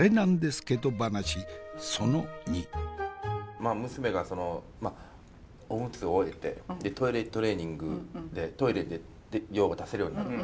まあ娘がそのおむつ終えてトイレトレーニングでトイレで用が足せるようになって。